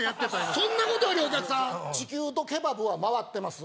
今そんなことよりお客さん地球とケバブは回ってます